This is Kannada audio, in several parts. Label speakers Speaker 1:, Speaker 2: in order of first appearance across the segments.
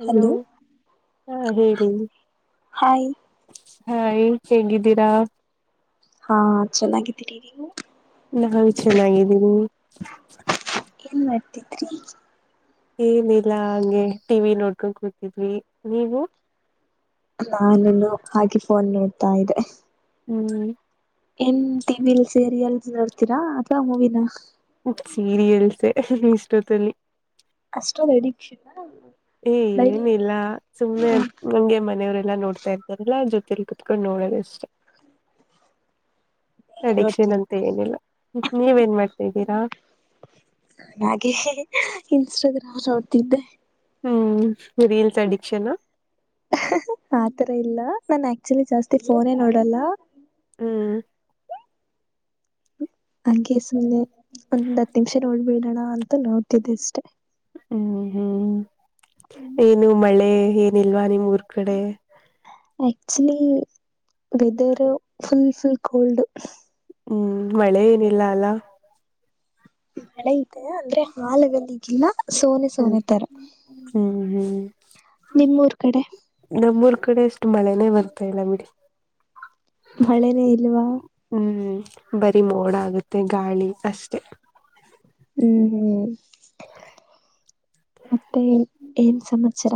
Speaker 1: ಹಲೋ ಹಾ ಹೇಳಿ
Speaker 2: ಹಾಯ್
Speaker 1: ಹಾ ಈ ಹೇಗಿದ್ದೀರಾ
Speaker 2: ಹಾ ಚೆನ್ನಾಗಿದ್ದೀರಿ ನೀವು
Speaker 1: ನಾನ ಚೆನ್ನಾಗಿದ್ದೀನಿ
Speaker 2: ಏನ್ ಮಾಡ್ತಿದ್ರಿ
Speaker 1: ಏನಿಲ್ಲಾ ಹಂಗೆ ಟಿವಿ ನೋಡ್ಕೊಂಡ್ ಕುೂತಿದ್ವಿ ನೀವು
Speaker 2: ನಾನನು ಹಾಗೆ ಫೋನ್ ನೋಡ್ತಾ ಇದ್ದೆ
Speaker 1: ಹ್ಮ್
Speaker 2: ಏನ್ ಟಿವಿಲ್ ಸೀರಿಯಲ್ ನೋಡ್ತೀರಾ ಅಥವಾ ಮೂವಿನ
Speaker 1: ಸೀರಿಯಲ್ಸ್ ಇಷ್ಟೊತ್ತಲ್ಲಿ
Speaker 2: ಅಷ್ಟೊದ ಅಡಿಕ್ಷಿತ
Speaker 1: ಏ ಏನಿಲ್ಲ ಸುಮ್ಮ್ನೆ ಹಂಗೆ ಮನೆಯವರೆಲ್ಲಾ ನೋಡ್ತಾ ಇದರ್ತಾರಲ್ಲಾ ಜೊತೆ ತಿಲುಕತ್ಕೊಂಡ ನೋಡದ ಇಷ್ಟ ಅಡಿಕ್ಷನ್
Speaker 2: ನೋಡ್ತೀರಾ
Speaker 1: ಅಂತ ಏನಿಲ್ಲ ನೀವೇನ್ ಮಾಡ್ತಾದ್ದೀರಾ
Speaker 2: ಹಾಗೆ ಇನ್ಸ್ಟಾಗ್ರಾಮ್ ನೋಡ್ತಿದ್ದೆ.
Speaker 1: ಹ್ಮ್ ರೀಲ್ಸ್ ಅಡಿಕ್ಷನ್
Speaker 2: ಆತರ ಇಲ್ಲ ನನ್ ಆಕ್ಚುಲಿ ಜಾಸ್ತಿ ಫೋನೇ ನೋಡಲ್ಲ
Speaker 1: ಹ್ಮ್
Speaker 2: ಹಂಗೆ ಸುಮ್ಮನೆ ಒಂದ್ ಹತ್ ನಿಮಿಷ ನೋಡ್ಬಿಡೋಣ ಅಂತ ನೋಡ್ತಿದ್ದೆ ಅಷ್ಟೆ
Speaker 1: ಹ್ಮ್ ಹ್ಮ್ ಏನು ಮಳೆ ಏನಿಲ್ವಾ ನಿಮ್ ಊರ್ ಕಡೆ.
Speaker 2: Actually weather full full cold
Speaker 1: ಹ್ಮ್ ಮಳೆ ಏನಿಲ್ಲ ಅಲ್ಲಾ
Speaker 2: ಮಳೆ ಇದೆ ಅಂದ್ರೆ ಹಾಲಗಲ್ಲಿಗಿಲ್ಲ ಸೋನೆ
Speaker 1: ಹ್ಮ್
Speaker 2: ಸೋನೆ ತರ
Speaker 1: ಹ್ಮ್ ಹ್ಮ್
Speaker 2: ನಿಮ್ಮೂರು ಕಡೆ
Speaker 1: ನಮ್ಮೂರ್ ಕಡೆ ಎಷ್ಟು ಮಳೆನೇ ಬರ್ತಾ ಇಲ್ಲ ಬಿಡಿ.
Speaker 2: ಮಳೆನೇ ಇಲ್ವಾ
Speaker 1: ಬರಿ ಮೋಡ ಆಗುತ್ತೆ ಗಾಳಿ ಅಷ್ಟೆ.
Speaker 2: ಹ್ಮ್ ಹ್ಮ್ ಮತ್ತೆ ಏನ್ ಸಮಾಚಾರ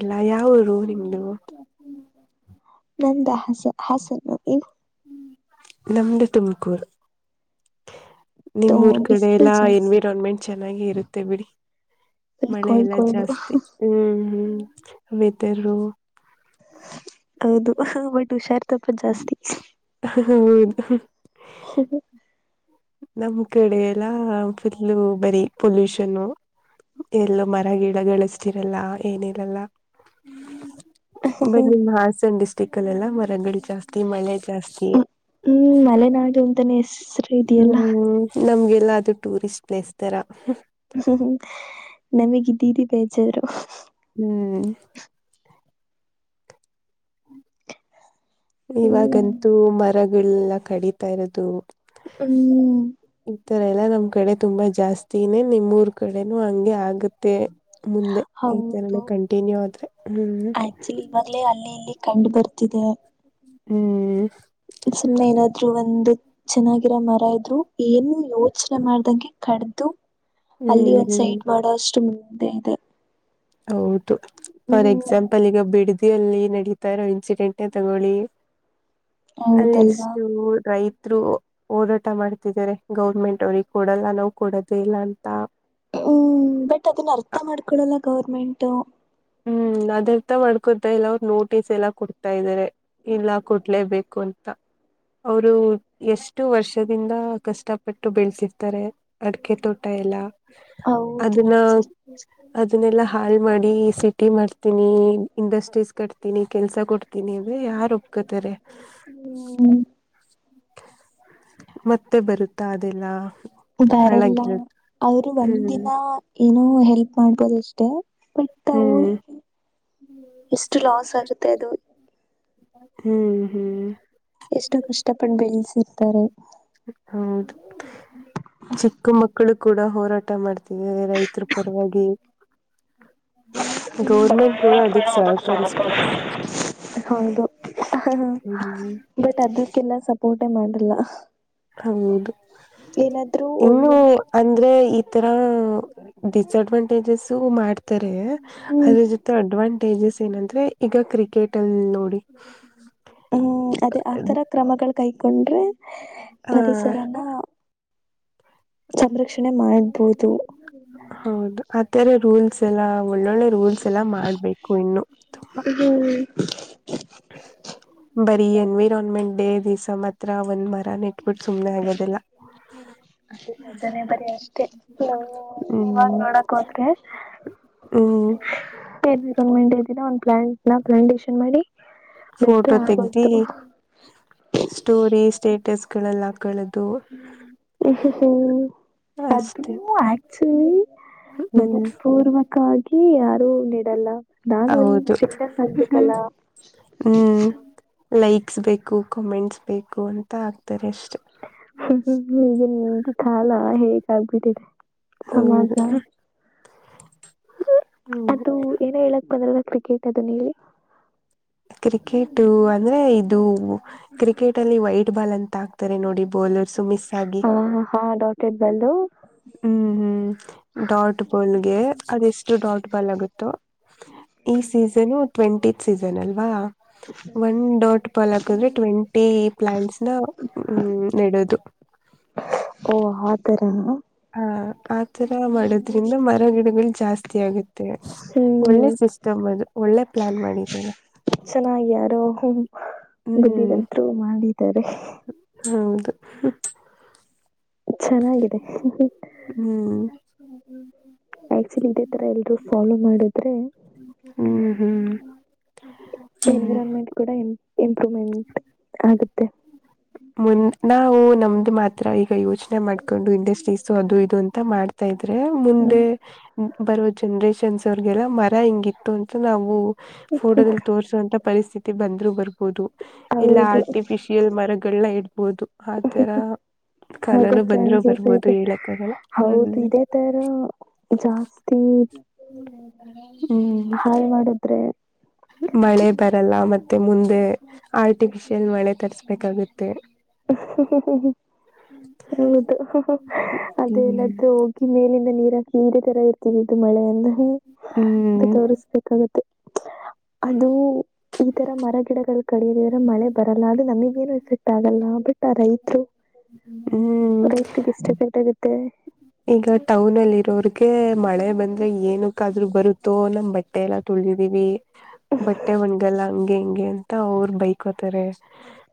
Speaker 1: ಎಲ್ಲ ಯಾವ ಊರು ನಿಮ್ದು
Speaker 2: ನಂದ ಹಾಸ ಹಾಸನ
Speaker 1: ನಮ್ದು ತುಮಕೂರು
Speaker 2: ಇವತ್ತು
Speaker 1: ನಿಮ್ಮೂರು ಕಡೆ
Speaker 2: ಬಿಸಿಲು
Speaker 1: ಎಲ್ಲ
Speaker 2: ಜಾಸ್ತಿ
Speaker 1: ಎನ್ವಿರಾನ್ಮೆಂಟ್ ಚೆನ್ನಾಗಿ ಇರುತ್ತೆ ಬಿಡಿ.
Speaker 2: ಫುಲ್
Speaker 1: ಮಳೆ
Speaker 2: ಕೋಲ್ಡ್
Speaker 1: ಎಲ್ಲ
Speaker 2: ಕೋಲ್ಡ್
Speaker 1: ಜಾಸ್ತಿ ಹ್ಮ್ ಹ್ಮ್ ವೆದರು
Speaker 2: ಹೌದು ಬಟ್ ಹುಷಾರ್ತಪ್ಪದ ಜಾಸ್ತಿ
Speaker 1: ಹಾ
Speaker 2: ಹ್ಮ
Speaker 1: ನಮ್ ಕಡೆ ಎಲ್ಲಾ ಫುಲ್ಲು ಬರಿ ಪೊಲ್ಯೂಷನ್ನು ಎಲ್ಲೂ ಮರ ಗಿಡಗಳಷ್ಟಿರಲ್ಲ ಏನಿರಲ್ಲ ಬನ್ನಿ ನಿಮ್ಮ ಹಾಸನ ಡಿಸ್ಟ್ರಿಕ್ ಅಲ್ಲೆಲ್ಲ ಮರಗಳ
Speaker 2: ಹ ಹ್ಮ್ ಮಲೆನಾಡು ಅಂತಾನೆ ಹೆಸರು ಇದೆಯಲ್ಲ
Speaker 1: ಹ್ಮ್ ನಮ್ಗೆಲ್ಲ ಅದುೂ ಟೂರಿಸ್ಟ್ ಪ್ಲೇಸ್ ತರ
Speaker 2: ಹ್ಮ್ ಹು ನಮಗಿದ್ದೀರಿ ಬೇಜಾರು
Speaker 1: ಹ್ಮ್
Speaker 2: ಹ್ಮ್
Speaker 1: ಇವಾಗಂತೂ ಮರಗಳೆಲ್ಲ ಕಡಿತಾ ಇರೋದು.
Speaker 2: ಹ್ಮ್
Speaker 1: ಈ ತರ ಎಲ್ಲಾ ನಮ್ ಕಡೆ ತುಂಬಾ ಜಾಸ್ತಿನೇ ನಿಮ್ಮ್ೂರ್ ಕಡೆನು ಹಂಗೆ ಆಗುತ್ತೆ ಮುಂದೆ ಈ ತರನ
Speaker 2: ಹೌದು
Speaker 1: ಕಂಟಿನ್ಯೂ ಆದ್ರೆ ಹ್ಮ್
Speaker 2: ಆಕ್ಚುಲಿ ಇವಾಗ್ಲೇ ಅಲ್ಲಿ ಇಲ್ಲಿ ಕಂಡು ಬರ್ತಿದೆ
Speaker 1: ಹ್ಮ್
Speaker 2: ಸುಮ್ನೆ ಏನಾದ್ರು ಒಂದು ಚೆನ್ನಾಗಿರೋ ಮರ ಇದ್ರು ಏನು ಯೋಚನೆ ಮಾಡ್ದಂಗೆ ಕಡ್ದು ಅಲ್ಲಿ
Speaker 1: ಹ್ಮ್
Speaker 2: ಒಂದ್
Speaker 1: ಹ್ಮ್
Speaker 2: ಸೈಡ್ ಮಾಡೋಷ್ಟು ಮುನ್ನದೆ ಇದೆ
Speaker 1: ಹೌದು ಫಾರ್
Speaker 2: ಹ್ಮ್
Speaker 1: ಎಕ್ಸಾಂಪಲ್ ಈಗ ಬಿಡದಿ ಲ್ಲಿ ನಡೀತಾ ಇರೋ ಇನ್ಸಿಡೆಂಟ್ ತಗೊಳ್ಳಿ ಅಲ್ಲಿ
Speaker 2: ಹೌದಲ್ವಾ
Speaker 1: ಎಷ್ಟು ರೈತ ರು ಹೋರಾಟ ಮಾಡ್ತಿದ್ದಾರೆ ಗೌರ್ಮೆಂಟ್ ಅವ್ರಿಗೆ ಕೊಡಲ್ಲ ನಾವು ಕೊಡೋದುೇ ಇಲ್ಲ ಅಂತ
Speaker 2: ಹ್ಮ್ ಬಟ್ ಅದನ್ನ ಅರ್ಥ ಮಾಡ್ಕೊಡಲ್ಲ ಗೌರ್ಮೆಂಟ್
Speaker 1: ಹ್ಮ್ ಅದರ್ತ ಮಾಡ್ಕೊತ ಇಲ್ಲ ಅವ ನೋಟಿಸ್ ಎಲ್ಲಾ ಕೊಡ್ತಾ ಇದಾರೆ ಇಲ್ಲ ಕೊಡ್ಲೇಬೇಕು ಅಂತ ಅವರು ಎಷ್ಟು ವರ್ಷದಿಂದ ಕಷ್ಟಪಟ್ಟು ಬೆಳ್ತಿರ್ತಾರೆ ಅಡಕೆ ತೋಟ ಎಲ್ಲ
Speaker 2: ಹೌದು
Speaker 1: ಅದನ್ನ
Speaker 2: ನಿಜ
Speaker 1: ಅದನ್ನೆಲ್ಲಾ ಹಾಲ್ ಮಾಡಿ ಸಿ ಟಿ ಮಾಡ್ತೀನಿ ಇಂಡಸ್ಟ್ರೀಸ್ ಕಟ್ತೀನಿ ಕೆಲ್ಸ ಕೊಡ್ತೀನಿ ಅ ಯಾರು ಒಪ್ಕೊತಾರೆ
Speaker 2: ಹ್ಮ್
Speaker 1: ಮತ್ತೆ ಬರುತ್ತಾ ಅದೆಲ್ಲ
Speaker 2: ಬಾರಲ್ಲ
Speaker 1: ಹಾಳಾಗಿರೋದು
Speaker 2: ಅವರು ಒಂದ
Speaker 1: ಹ್ಮ್
Speaker 2: ದಿನ ಏನೋ ಹೆಲ್ಪ್ ಮಾಡ್ಬೋದಷ್ಟೆ
Speaker 1: ಹ್ಮ್
Speaker 2: ಎಷ್ಟು ಲಾಸ್ ಆಗುತ್ತೆ ಅದು
Speaker 1: ಹ್ಮ್ ಹ್ಮ್
Speaker 2: ಎಷ್ಟು ಕಷ್ಟಪಟ್ಟು ಬೆಳೆಸಿರ್ತಾರೆ
Speaker 1: ಹೌದು ಚಿಕ್ಕ ಮಕ್ಕಳು ಕೂಡ ಹೋರಾಟ ಮಾಡ್ತಿದ್ದೇವೆ ರೈತರ ಪರವಾಗಿ ಗೌರ್ಮೆಂಟ್ ಕೂಡ ಅದಕ್ಕೆ ಸಹಕಾರಸ್ಪೆಕ್ಟ್
Speaker 2: ಹ ಬಟ್ ಅದಕ್ಕೆಲ್ಲ ಸಪೋರ್ಟೇ ಮಾಡಿಲ್ಲ
Speaker 1: ಹೌದು ಇನ್ನು
Speaker 2: ಒಳ್ಳೊಳ್ಳೆ
Speaker 1: ಅಂದ್ರೆ ತರ ಡಿಸಅಡ್ವಾಂಟೇಜಸ್ ಮಾಡ್ತಾರೆ
Speaker 2: ಹ್ಮ್
Speaker 1: ಅದ್ರ ಜೊತೆ ಅಡ್ವಾಂ ಸೇಜಸ್ ಏನಂದ್ರೆ ಈಗ ಕ್ರಿಕೆಟ್ ಅಲ್ಲಿ ನೋಡಿ
Speaker 2: ಹ್ಮ್ ಅದೇ ಆತರ ಕ್ರಮಗಳು ಕೈಕೊಂಡ್ರೆ
Speaker 1: ಹ್ಮ
Speaker 2: ಪರಿಸರನ ಸಂರಕ್ಷಣೆ ಮಾಡ್ಬೋದು.
Speaker 1: ಹೌದು ಅ ರೂಲ್ ಎಲ್ಲ ಒಳ್ಳೊಳ್ಳೆ ರೂಲ್ಸ್ ಎಲ್ಲ ಮಾಡ್ಬೇಕು ಇನ್ನು ತುಂಬಾ
Speaker 2: ಹ್ಮ್
Speaker 1: ಬರಿ ಎನ್ವಿರಾನ್ಮೆಂಟ್ ಡೇ ದಿವ್ಸ ಮಾತ್ರ ಒಂದ್ ಮರ ನೆಟ್ಬಿಟ್ಟು ಸುಮ್ನೆ ಆಗೋದಿಲ್ಲ
Speaker 2: ಅಷ್ಟೇ ಜನ ಬರಿ ಅಷ್ಟೇ ನೀವಾಗ ನೋಡಕ್ ಹೋದ್ರೆ
Speaker 1: ಹ್ಮ
Speaker 2: ೇ ಮ ಇದಿನ ಒಂದ ಪ್ಲಾಂಟ್್ಲಾಂಟನ್
Speaker 1: ಫೋಟೋ ತೆಗಿ ಸ್ಟೋರಿ ಸ್ಟೇಟಸ್ ಗಳೆಲ್ಲ ಕಳೆದು.
Speaker 2: ಅದು ಅಚ್ಚುಲಿ
Speaker 1: ಹ್ಮ್
Speaker 2: ಮನಸ್ಪೂರ್ವಕವಾಗಿ. ಲ್ಲ ನಾನು ಒಂದ
Speaker 1: ಹೌದು
Speaker 2: ಸ್ಟೇಟಸ್ ಆಗ್ಬೇಕಲ್ಲ.
Speaker 1: ಹ್ಮ್ ಲೈಕ್ಸ್ ಬೇಕು ಕಮೆಂಟ್ಸ್ ಬೇಕು ಅಂತ ಆಗ್.
Speaker 2: ಈಗೆ ನಿ ಕಾಲ ಹೇಗ ಆಗ್ಬಿಟ್ಟಿದೆ.
Speaker 1: ಹೌ.
Speaker 2: ಅದು ಏನ ಹೇಳಕ್ ಬಂದ್ರ ಕ್ರಿಕೆಟ್ ಅದು ನೀ.
Speaker 1: ಕ್ರಿಕೆಟು ಅಂದ್ರೆ ಇದು. ಕ್ರಿಕೆಟ್ ಅಲ್ಲಿ ವೈಟ್ ಬಾಲ್ ಅಂತ ಹಾಕ್ತಾರೆ ನೋಡಿ ಬೌಲರ್ಸು ಮಿಸ್ ಆಗಿ.
Speaker 2: [unintelligible] ಬಲ್ಲು
Speaker 1: ಹ್ಮ್ ಹ್ಮ್ ಡಾಟ್ ಬಾಲ್ಗೆ ಅದೆಷ್ಟು ಡಾಟ್ ಬಾಲ್ ಆಗುತ್ತೋ. ಈ ಸೀಸನು ಟ್ವೆಂಟಿತ್ ಸೀಸನ್ ಅಲ್ವಾ.
Speaker 2: [inaudible]
Speaker 1: ಒನ್ ಡಾಟ್ ಪಾಲ್ ಹಾಕದ್ರೆ ಟ್ವೆಂಟಿ ಪ್ಲಾಂಟ್ಸ್ ನ ಹ ನೆಡೋದು. [inaudible]
Speaker 2: ಓ ಆತರ
Speaker 1: ಹ ಆತರ ಮಾಡೋದ್ರಿಂದ ಮರ ಗಿಡಗಳು ಜಾಸ್ತ ಜಾಸ್ತಿ ಆಗುತ್ತೆ
Speaker 2: ಹ್ಮ್
Speaker 1: ಒಳ್ಳೆ ಸಿಸ್ಟಮ್ ಅದು ಒಳ್ಳೆ ಪ್ಲಾನ್ ಮಾಡಿದರೆ.
Speaker 2: ಚೆನ್ನಾಗಿ ಯಾರೋ ಬುದ್ಧಿವಂತರು ಮಾಡಿದ್ದಾರೆ.
Speaker 1: ಹೌದು. ಹ್ಹ್.
Speaker 2: ಚೆನ್ನಾಗಿದೆ
Speaker 1: ಹ್ಮ್.
Speaker 2: ಆಕ್ಚುಲಿ ಇದೇ ತರ ಎಲ್ರೂ ಫಾಲೋ ಮಾಡೋದು. ಡ್ರೆ
Speaker 1: ಹ್ಮ್ ಹ್ಮ್ ಹ್ಮ್
Speaker 2: ಎನ್ವಿರಾನ್ಮೆಂಟ್ ಕೂಡ ಎ ಇಂಪ್ರೂವ್ಮೆಂಟ್ ಆಗುತ್ತೆ.
Speaker 1: ಮುಂದ್ ನಾವು ನಮ್ದು ಮಾತ್ರ ಈ ಯೋಚನೆ ಮಾಡ್ಕೊಂಡು ಇಂಡಸ್ಟ್ರೀಸ್ ಅದು ಇದು ಅಂತ ಮಾಡ್ತಾ ಇದೀವಿ. ಇದ್ರೆ ಮುಂದೆ ಬರೋ ಜನರೇಷನ್ಸ್ ಅವ್ರಗೆಲ್ಲ ಮರ ಹಿಂಗಿತ್ತು ಅಂತ ನಾವು. ಫೋಟೋದಲ್ಲಿ ತೋರಿಸುವಂತ ಪರಿಸ್ಥಿತಿ ಬಂದ್ರು ಬರ್ಬೋದು ಎಲ್ಲಾ
Speaker 2: ಹೌದು
Speaker 1: ಆರ್ಟಿಫಿಷಿಯ- ಲ್ ಮರ ಗಿಡಗಳನ್ನ ಇಡ್ಬೋದು ಆತರ.
Speaker 2: ಹಾಗೋ
Speaker 1: ಕಾಲನು ಬಂದ್ರು
Speaker 2: ಚಾನ್ಸಸ್
Speaker 1: ಬರ್ಬೋದು
Speaker 2: ಇದೆ
Speaker 1: ಹೇಳಕ್ಕಾಗಲ್ಲ
Speaker 2: ಹೌದು
Speaker 1: ಹ್ಮ್
Speaker 2: ಇದೆ ತರ ಜಾಸ್ತಿ. [inaudible]
Speaker 1: ಹ್ಮ್
Speaker 2: ಹಾಳ್ ಮಾಡಿದ್ರೆ
Speaker 1: ಮಳೆ ಬರಲ್ಲ ಮತ್ತೆ ಮುಂದೆ ಆರ್ಟಿಫಿಶಿಯಲ್ ಮಳೆ ತರ್ಸ್ಬೇಕಾಗುತ್ತೆ.
Speaker 2: [inaudible] ಹೌದು
Speaker 1: ಹ್ಮ್
Speaker 2: ಅದೇಲ್ಲದೂ ಹೋಗಿ ಮೇಲಿಂದ ನೀರ ನೀರೆ ತರ ಇರ್ತಿದ್ದದು ಮಳೆಯ ಅನ್ನ ಅದು
Speaker 1: ಹ್ಮ್
Speaker 2: ತೋರಿಸ್ಬೇಕಾಗುತ್ತೆ. ಅದು ಈ ತರ ಮರ ಗಿಡಗಳು ಕಡಿಯದ್ರ ಮಳೆ ಬರಲ್ಲ ಅದು ನಮಗೇನು ಎಫೆಕ್ಟ್ ಆಗ ಬಟ್ ಆ ರೈತರು
Speaker 1: ಹ್ಮ್
Speaker 2: ರೈತ್ಗೆ ಎಷ್ಟ ಎಫೆಕ್ಟ್ ಆಗುತ್ತೆ.
Speaker 1: ಈಗ ಟೌನ್ ಅಲ್ಲಿ ಇರೋರ್ಗೆ ಮಳೆ ಬಂದ್ರೆ ಏನಕ್ಕಾದ್ರೂ ಬರುತ್ತೋ ನಮ ಬಟ್ಟೆ ಎಲ್ಲ ತುಳ್ ಬಂದಿವಿ ಬಟ್ಟೆ ಒಣ್ಗಲ್ಲ ಹಂಗೆ ಇಂಗೆ ಅಂತ ಅವ್ರ ಬೈಕೋತಾರೆ.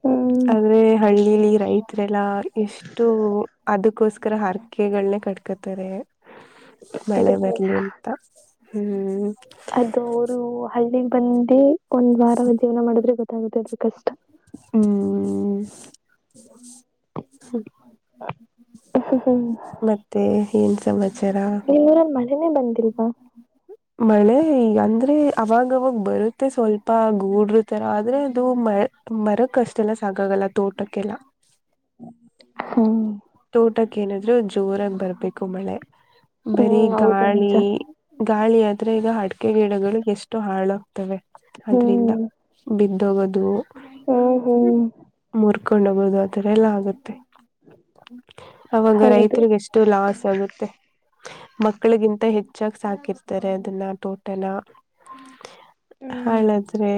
Speaker 2: ಹ್ಮ್
Speaker 1: ಆದರೆ ಹಳ್ಳಿಲಿ ರೈತರೆಲ್ಲ ಎಷ್ಟು ಅದಕ್ಕೋಸ್ [unintelligible] ಹರಕೆಗಳನ್ನೇ ಕಟ್ಕೊತಾರೆ
Speaker 2: ಅದ
Speaker 1: ಮಳೆ
Speaker 2: ನಿಜ
Speaker 1: ಬರ್ಲಿ ಅಂತ. ಹ್ಮ್
Speaker 2: ಅದು ಅವರು ಹಳ್ಳಿಗ್ ಬಂದ ಒಂದ್ ವಾರ ಜೀವನ ಮಾಡಿದ್ರೆ ಗೊತ್ತಾಗುತ್ತೆ ಅದ್ರ ಕಷ್ಟ
Speaker 1: ಹ್ಮ್ ಹ್ಮ
Speaker 2: ಹ್ಮ್ ಹ್ಮ್
Speaker 1: ಏನ್ ಸಮಾಚಾರ
Speaker 2: [unintelligible] ಇಲ್ವಾ.
Speaker 1: ಮಳೆ ಈಗ ಅಂದ್ರೆ ಅವಾಗವಾಗ ಬರುತ್ತೆ ಸ್ವಲ್ಪ ಗೂಡರ್ ತರ ಆದ್ರೆ ಅದು ಮಳೆ ಮರಕಷ್ಟೆಲ್ಲಾ ಎಲ್ಲ ಸಾಕಾಗಲ್ಲ ತೋಟಕ್ಕೆಲ್ಲ.
Speaker 2: ಹ್ಮ್
Speaker 1: ತೋಟಕ್ಕೆ ಏನಾದ್ರು ಜೋರಾಗಿ ಬರ್ಬೇಕು ಮಳೆ. ಬರಿ
Speaker 2: ಹ್ಮ್ ಹೌದು
Speaker 1: ಗಾಳಿ
Speaker 2: ನಿಜ
Speaker 1: ಗಾಳಿಯಾದ್ರೆ ಈಗ ಅಡಿಕೆ ಗಿಡಗಳು ಎಷ್ಟು ಹಾಳಾಗ್ತವೆ ಅದ್ರಿಂದ ಬಿದ್ದು. ಬಿದ್ದು ಹೋಗೋದು.
Speaker 2: ಹಾ ಹೋ
Speaker 1: ಹರ್ಕೊಂಡ ಹೋಗೋದು ಆ ಥರ ಎಲ್ಲ ಆಗುತ್ತೆ. ಅವಾಗ
Speaker 2: ಹೌದು
Speaker 1: ರೈತರಿಗೆ ಎಷ್ಟು ಲಾಸ್ ಆಗುತ್ತೆ. ಮಕ್ಕಳಿಗಿಂತ ಹೆಚ್ಚಾಗಿ ಸಾಕಿರ್ತಾರೆ ಅದನ್ನ ತೋಟನ. ಹಳಾದ್ರೆ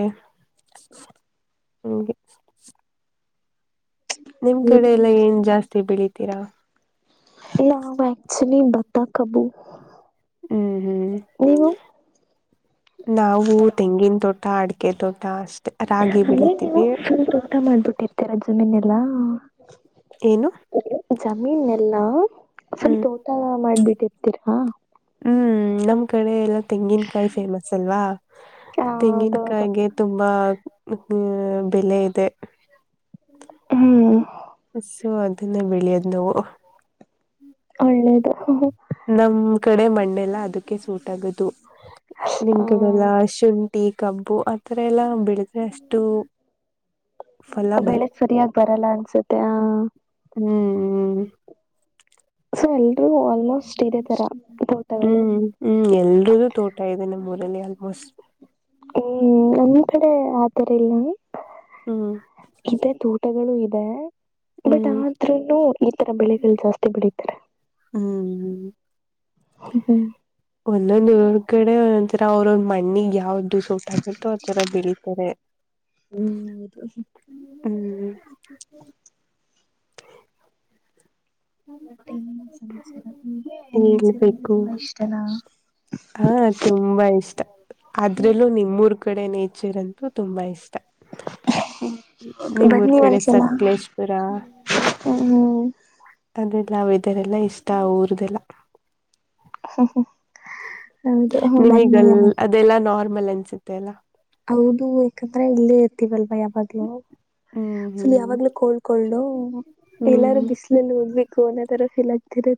Speaker 1: ನಿಮಗೆ. ನಿಮ್
Speaker 2: ಹೌದು
Speaker 1: ಕಡೆ ಎಲ್ಲ ಏನ್ ಜಾಸ್ತಿ ಬೆಳಿತೀರಾ.
Speaker 2: ನಾವು ಎಕ್ಚುಲಿ ಬತ ಕಬು
Speaker 1: ಹ್ಮ್ ಹ್ಮ್ ನಾವು ತೆಂಗಿನ ತೊಟ್ಟ ತಾಡಕ ತ ಟಾಸ್
Speaker 2: ಅದೇ ನೀವುಲ್ ತೋಟ ಮಾಡ್ಬಿಟ್ಟಿರ್ತೀರಾ ಜಮೀನ್ ಎಲ್ಲಾ
Speaker 1: ಏನು
Speaker 2: ಜಮೀನ್ ಎಲ್ಲಾ ಸ್ವಲ್
Speaker 1: ಹ್ಮ್
Speaker 2: ತೋಟ ಮಾಡ್ಬಿಟ್ಟಿರ್ತೀರಾ
Speaker 1: ಹ್ಮ್ ನಮ್ ಕಡೆ ಎಲ್ಲ ತೆಂಗಿನಕಾಯಿ ಫೇಮಸ್ ಅಲ್ವಾ
Speaker 2: ಹೌದೌದು
Speaker 1: ತೆಂಗಿನಕಾಯಗೆ ತುಂಬಾ ಹ್ಮ್ ಬೆಲೆ ಇದೆ
Speaker 2: ಹ್ಮ
Speaker 1: ಹಸು ಅದನ್ನ ಬೆಳಿಯೋದ್ ನೋವು
Speaker 2: ಒಳ್ಳೇದು ಹ
Speaker 1: ನಮ್ ಕಡೆ ಮ ಅದಕ್ಕೆ ಸೂಟ್ ಆಗದು ನಿಮ ಕಡೆಲ್ಲ ಶುಂ ಟೀ ಕಬ್ಬು ಆತರ ಎಲ್ಲ ಬಿಳಿದ್ರೆ ಅಷ್ಟು ಫಲ ಬ
Speaker 2: ಬೆಳೆಗ್ ಸರಿಯಾಗಿ ಬರಲ್ಲ ಅನ್ಸುತ್ತೆ ಆ
Speaker 1: ಹ್ಮ್
Speaker 2: ಸೊ ಎಲ್ರೂ ಆಲ್ಮೋಸ್ಟ್ ಇದೇ ತರ
Speaker 1: ಹ್ಮ್
Speaker 2: ತೋಟಗಳು
Speaker 1: ಹ್ಮ್ ಹ್ಮ್ ಎಲ್ರುದುೂ ತೋಟ ಇದೆ ನಮ್ಮ ಆಲ್ಮೋಸ್ಟ್
Speaker 2: ಹ್ಮ್ ನಮ್ ಕಡೆ ಆ ತರ ಇಲ್ಲ
Speaker 1: ಹ್ಮ್
Speaker 2: ಇದೇ ತೋಟಗಳು ಇದೆ ಬಟ್
Speaker 1: ಹ್ಮ್
Speaker 2: ಆದ್ ಈ ತರ ಬೆಳೆಗಳು ಜಾಸ್ತಿ ಬೆಳೀತೆ
Speaker 1: ಹ್ಮ್
Speaker 2: ಹ್ಮ್
Speaker 1: ಒಂದ ನರು ಕಡೆ ಈರ ಅವ್ರ ಮಣ್ಣಿಗ್ ಯಾವ್ದ ಸೋಟ ಆಗತ್ತು ಆತರ ಬೆಳೀತಾರೆ
Speaker 2: ಹ್ಮದುಷ
Speaker 1: ಹ್ಮ್
Speaker 2: ಮತ್ತೆನ್ ಸಮಾಚಾರ ನಿಮಗೆೇಚಾರ ಅಂದ್ರೆ
Speaker 1: ಹೇಳ್ಬೇಕು
Speaker 2: ತುಂಬಾ ಇಷ್ಟನಾ
Speaker 1: ಹಾ ತುಂಬಾ ಇಷ್ಟ ಅದ್ರಲ್ಲೂ ನಿಮ್ಮೂರ್ ಕಡೆ ನೇಚರ್ ಅಂತೂ ತುಂಬಾ ಇಷ್ಟ ನಿಮ್ಮೂರ್
Speaker 2: ಬನ್ನಿ
Speaker 1: ಕಡೆ
Speaker 2: ಒಂದ್ಸಲ
Speaker 1: ಸಕ್ಲೇಶ್ಪುರ
Speaker 2: ಹ್ಮ್
Speaker 1: ಅದೆರಲ್ಲ ಅವ ಇದ್ದಾರೆಲ್ಲ ಇಷ್ಟ ಊರದೆಲ್ಲ
Speaker 2: ಹ ಹ ಹೌದು
Speaker 1: ನಿಮಗಲ್
Speaker 2: ಮನ್ಯ
Speaker 1: ಅದೆಲ್ಲಾ ನಾರ್ಮಲ್ ಅನ್ಸುತ್ತೆ ಅಲ್ಲ
Speaker 2: ಹೌದು ಯಾಕಂದ್ರೆ ಇಲ್ಲೇ ಇರ್ತವಲ್ವಾ ಯಾವಾಗ್ಲುೂ
Speaker 1: ಹ್ಮ್
Speaker 2: ಫುಲ್
Speaker 1: ಹ್ಮ್
Speaker 2: ಯಾವಾಗ್ಲೂ ಕೋಳ್ಕೊಳ್ಳು ಎಲ್ಲಾರು
Speaker 1: ಹ್ಮ್
Speaker 2: ಬಿಸಲಲ್ಲಿ ಹೋಗ್ಬೇಕು ಅನ ತರ ಇಲ್ಲಾಗತರ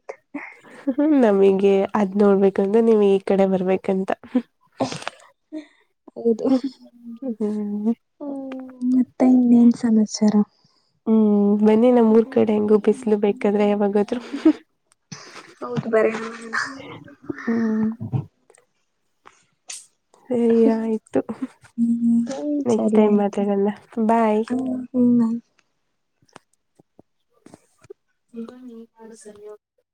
Speaker 1: ಹ್ಮ ನಮಗೆ ಅದ್ ನೋಡ್ಬೇಕಂದ್ರೆ ನೀವು ಈ ಕಡೆ ಬರ್ಬೇಕಂತ
Speaker 2: ಹ
Speaker 1: ಹ್ಮ್
Speaker 2: ಹ್ಮ್ ಮತ್ತೆ ಇನ್ನೇನ್ ಸಮಾಚಾರ
Speaker 1: ಹ್ಮ್ ಬನ್ನಿ ನಮ್ಊರ್ ಕಡೆ ಹೆಂಗೂ ಬಿಸ್ಲು ಬೇಕಾದ್ರೆ ಯಾವಾಗತ್ರರು
Speaker 2: ಹೌದು ಬರೋಣ
Speaker 1: ಹ್ಮ್ ಸರಿಯ ಆಯ್ತು
Speaker 2: ಹ್ಮ್ ಸರಿ
Speaker 1: ನೆಕ್ಸಟೈಮ್
Speaker 2: ಆಯ್ತು
Speaker 1: ಮಾತನ್ನ ಬಾಯ್
Speaker 2: ಹ್ಮ್ ಆಯ್ತು
Speaker 1: ಹಗ ನೀ ಕಡ ಸರಿಯೋಗ